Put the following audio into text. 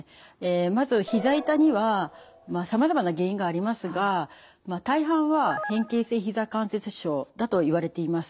まずひざ痛にはさまざまな原因がありますが大半は変形性ひざ関節症だといわれています。